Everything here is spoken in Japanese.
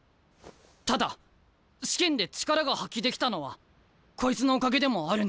ただ試験で力が発揮できたのはこいつのおかげでもあるんだ！